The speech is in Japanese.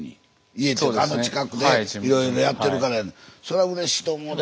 家っていうかあの近くでいろいろやってるからそらうれしいと思うで。